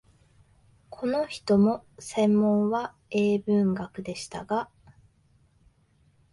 この人も専門は英文学でしたが、